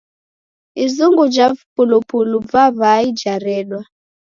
Izungu ja vipulupulu va w'ai jaredwa.